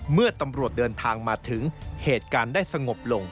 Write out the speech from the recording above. เมื่อตำรวจเดินทางมาถึงเหตุการณ์ได้สงบลง